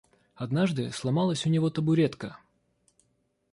Однажды сломалась у него табуретка.